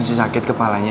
masih sakit kepalanya